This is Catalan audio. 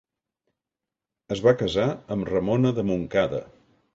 Es va casar amb Ramona de Montcada.